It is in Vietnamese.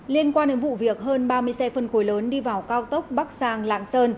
liên quan đến vụ việc hơn ba mươi xe phân khối lớn đi vào cao tốc bắc giang lạng sơn